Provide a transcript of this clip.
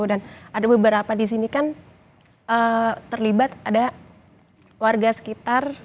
dan ada beberapa di sini kan terlibat ada warga sekitar